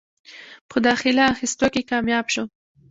پۀ داخله اخستو کښې کامياب شو ۔